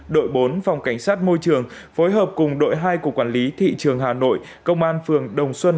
đội bốn phòng cảnh sát môi trường phối hợp cùng đội hai cục quản lý thị trường hà nội công an phường đồng xuân